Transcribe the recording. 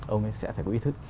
ông ấy sẽ phải có ý thức